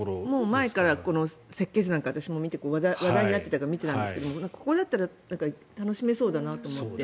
前から設計図私も話題になっていたから見ていたんですがここだったら楽しめそうだなと思って。